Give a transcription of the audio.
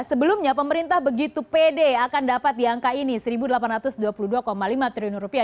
sebelumnya pemerintah begitu pede akan dapat di angka ini satu delapan ratus dua puluh dua lima triliun rupiah